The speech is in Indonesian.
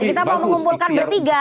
kita mau mengumpulkan bertiga